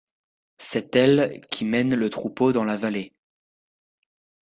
C’est elle qui mène le troupeau dans la vallée.